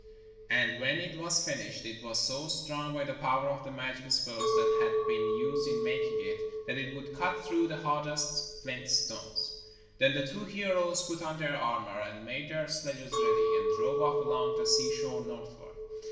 And when it was finished, it was so strong, by the power of the magic spells that had been used in making it, that it would cut through the hardest flint stones. Then the two heroes put on their armour and made their sledges ready, and drove off along the seashore northward.